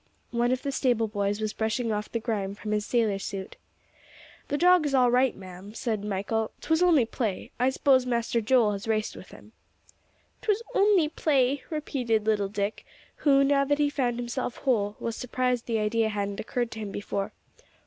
One of the stable boys was brushing off the grime from his sailor suit. "The dog is all right, ma'am," said Michael, "'twas only play; I s'pose Master Joel has raced with him." "'Twas only play," repeated little Dick, who, now that he found himself whole, was surprised the idea hadn't occurred to him before.